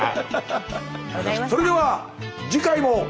それでは次回も！